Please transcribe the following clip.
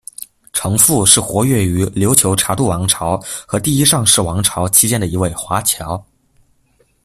程复是活跃于琉球察度王朝和第一尚氏王朝期间的一位华侨。